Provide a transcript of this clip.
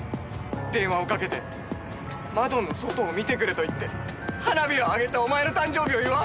電話をかけて窓の外を見てくれと言って花火を上げてお前の誕生日を祝う。